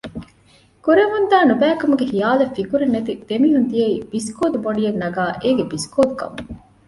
ކުރެވެމުންދާ ނުބައިކަމުގެ ޚިޔާލެއް ފިކުރެއް ނެތި ދެމީހުން ދިޔައީ ބިސްކޯދު ބޮނޑިއެއް ނަގާ އޭގެން ބިސްކޯދު ކަމުން